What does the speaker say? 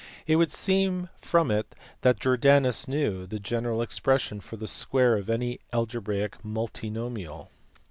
It would seem from it that Jordanus knew the general expres sion for the square of any algebraic multinomial.